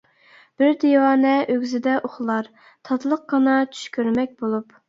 بىر دىۋانە ئۆگزىدە ئۇخلار، تاتلىققىنا چۈش كۆرمەك بولۇپ.